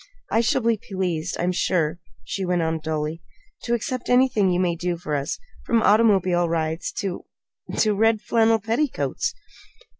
I shall be pleased, I'm sure," she went on dully, "to accept anything you may do for us, from automobile rides to to red flannel petticoats."